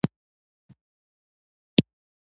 راډیو ایزوتوپ زېرمه کوي.